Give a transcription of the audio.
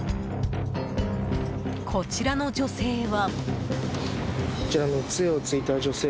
こちらの女性は。